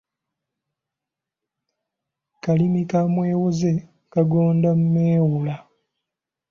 Kalimi ka mwewoze, kagonda meewola.